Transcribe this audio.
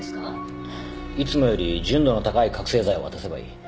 いつもより純度の高い覚せい剤を渡せばいい。